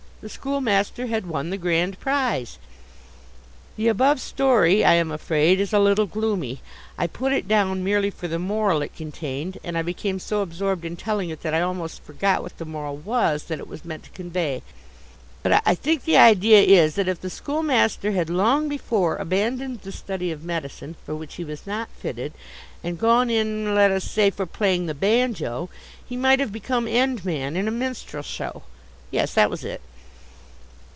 The schoolmaster had won the Grand Prize. The above story, I am afraid, is a little gloomy. I put it down merely for the moral it contained, and I became so absorbed in telling it that I almost forgot what the moral was that it was meant to convey. But I think the idea is that if the schoolmaster had long before abandoned the study of medicine, for which he was not fitted, and gone in, let us say, for playing the banjo, he might have become end man in a minstrel show. Yes, that was it.